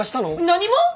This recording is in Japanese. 何も！